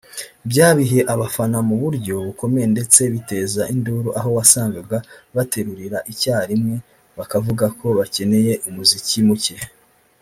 Byabihiye abafana mu buryo bukomeye ndetse biteza induru aho wasangaga baterurira icya rimwe bakavuga ko bakeneye umuziki muke